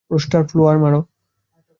Rooster, flare মারো।